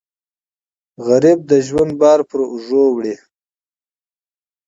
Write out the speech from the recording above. غریب د ژوند بار پر اوږو وړي